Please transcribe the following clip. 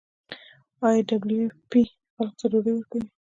آیا ډبلیو ایف پی خلکو ته ډوډۍ ورکوي؟